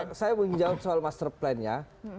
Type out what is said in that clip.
iya saya mau menjawab soal masterplan nya